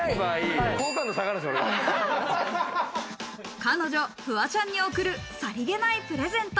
彼女・フワちゃんに贈る、さりげないプレゼント。